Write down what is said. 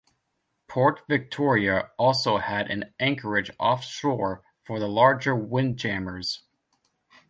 Port Victoria also had an anchorage offshore for the larger windjammers.